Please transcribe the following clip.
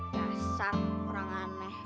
dasar orang aneh